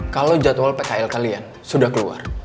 kalau jadwal pkl kalian sudah keluar